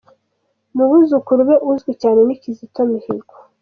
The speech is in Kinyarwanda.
Mu buzukuru be uzwi cyane ni Kizito Mihigo.